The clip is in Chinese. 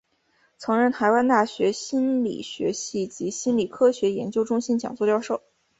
曾任台湾大学心理学系及心理科学研究中心讲座教授。